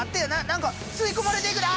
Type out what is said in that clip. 何か吸い込まれていくで！